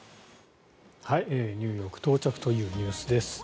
ニューヨーク到着というニュースです。